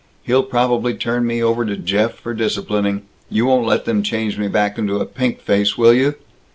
He'll probably turn me over to Jeff, for disciplining! You won't let them change me back into a pink face, will you?